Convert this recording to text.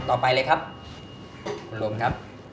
ต่อไปเลยครับคุณลุงครับ